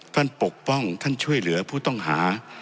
ปกป้องท่านช่วยเหลือผู้ต้องหา